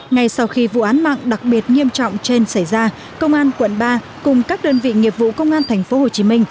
ngay sau khi vụ án mạng đặc biệt nghiêm trọng trên xảy ra công an quận ba cùng các đơn vị nghiệp vụ công an tp hcm